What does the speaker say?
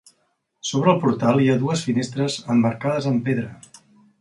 Sobre del portal hi ha dues finestres emmarcades en pedra.